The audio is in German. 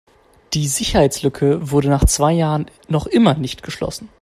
Die Sicherheitslücke wurde nach zwei Jahren noch immer nicht geschlossen.